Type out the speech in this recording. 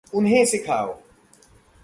उन्हें सिखाओ।